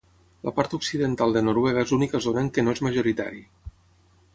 La part occidental de Noruega és l'única zona en què no és majoritari.